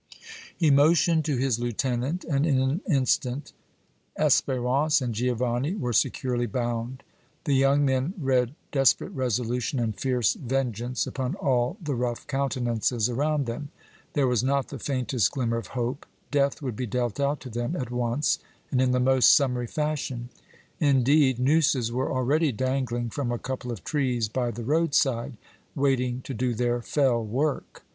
He motioned to his lieutenant and in an instant Espérance and Giovanni were securely bound. The young men read desperate resolution and fierce vengeance upon all the rough countenances around them. There was not the faintest glimmer of hope; death would be dealt out to them at once and in the most summary fashion. Indeed, nooses were already dangling from a couple of trees by the roadside, waiting to do their fell work.